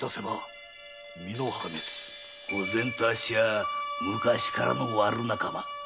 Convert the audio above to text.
御前とあっしは昔からの悪仲間。